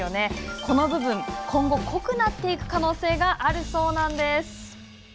この部分、今後濃くなっていく可能性があるそうなんです。